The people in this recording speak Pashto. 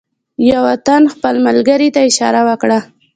یوه تن خپل ملګري ته اشاره وکړه.